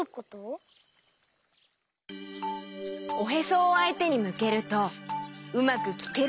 おへそをあいてにむけるとうまくきけるようになるんだよ。